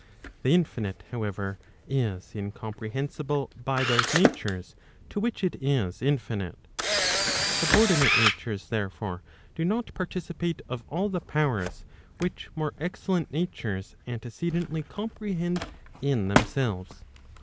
The infinite however, is incomprehensible by those natures to which it is infinite. Subordinate natures therefore, do not participate of all the powers which more excellent natures antecedently comprehend in themselves.